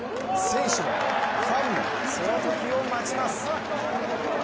選手もファンもそのときを待ちます。